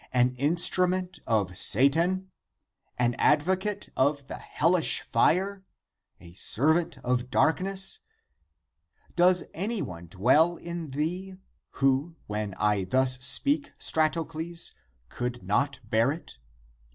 an instrument of Satan ? an advocate of the hellish fire? a servant of darkness? Does any one dwell in thee, who, when I thus speak, Stratocles, could not bear it